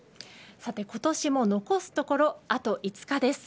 さて、今年も残すところあと５日です。